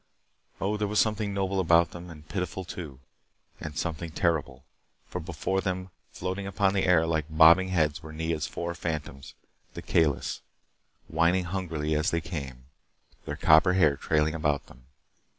Oh, there was something noble about them, and pitiful too. And something terrible. For before them, floating upon the air like bobbing heads were Nea's four fantoms, the Kalis, whining hungrily as they came, their copper hair trailing about them.